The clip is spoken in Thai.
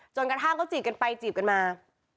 กระทั่งเขาจีบกันไปจีบกันมา